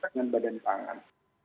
dengan badan tangan